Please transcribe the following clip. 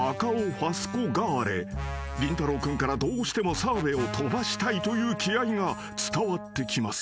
［りんたろう君からどうしても澤部をとばしたいという気合が伝わってきます］